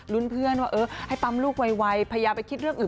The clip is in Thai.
เพื่อนว่าเออให้ปั๊มลูกไวพยายามไปคิดเรื่องอื่น